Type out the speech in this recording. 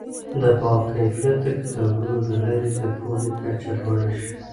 د باکیفیته کتابونو له لارې د پوهې کچه لوړه شي.